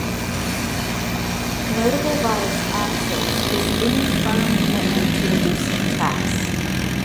Notable by its absence is any firm commitment to reducing tax.